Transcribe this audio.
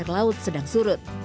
air laut sedang surut